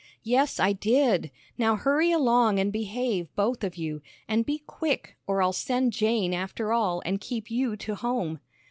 "Yes, I did. Now hurry along an' behave, both of you. An' be quick, or I'll send Jane after all, and keep you to home."